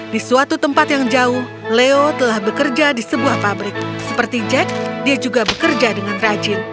di suatu tempat yang jauh leo telah bekerja di sebuah pabrik seperti jack dia juga bekerja dengan rajin